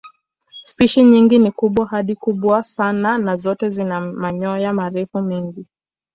Spishi nyingi ni kubwa hadi kubwa sana na zote zina manyoya marefu mengi.